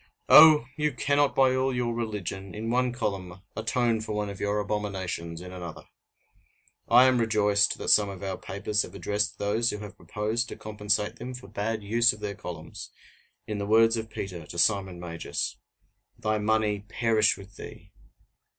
Oh! you cannot by all your religion, in one column, atone for one of your abominations in another! I am rejoiced that some of our papers have addressed those who have proposed to compensate them for bad use of their columns, in the words of Peter to Simon Magus: "Thy money perish with thee!"